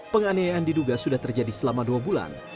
penganiayaan diduga sudah terjadi selama dua bulan